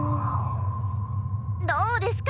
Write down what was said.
どうですか？